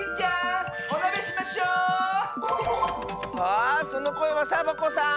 あそのこえはサボ子さん！